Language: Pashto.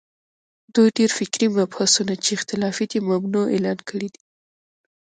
دوی ډېر فکري مبحثونه چې اختلافي دي، ممنوعه اعلان کړي دي